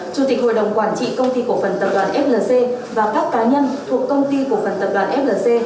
chủ tịch hội đồng quản trị công ty cổ phần tập đoàn flc và các cá nhân thuộc công ty cổ phần tập đoàn flc